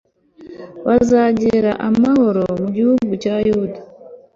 bazagere amahoro mu gihugu cya yuda